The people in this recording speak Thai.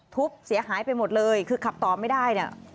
เสียหายไปหมดเลยคือขับต่อไม่ได้เนี่ย